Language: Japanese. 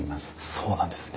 そうなんですね。